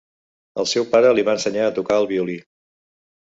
El seu pare li va ensenyar a tocar el violí.